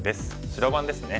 白番ですね。